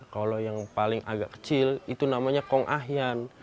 kalau yang paling agak kecil itu namanya konghayan